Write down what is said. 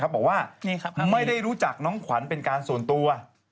บอกว่าไม่ได้รู้จักน้องขวัญเป็นการส่วนตัว